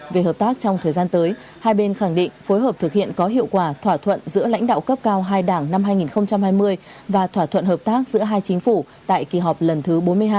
về hợp tác trong thời gian tới hai bên khẳng định phối hợp thực hiện có hiệu quả thỏa thuận giữa lãnh đạo cấp cao hai đảng năm hai nghìn hai mươi và thỏa thuận hợp tác giữa hai chính phủ tại kỳ họp lần thứ bốn mươi hai